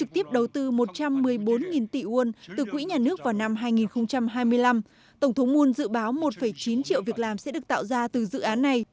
tổng thống moon dự báo một chín triệu việc làm sẽ được tạo ra từ dự án này